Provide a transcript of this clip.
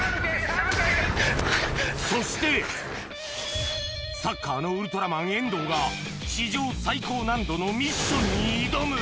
そしてサッカーのウルトラマン遠藤が史上最高難度のミッションに挑む！